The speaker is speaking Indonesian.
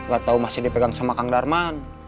gak tau masih dipegang sama kang darman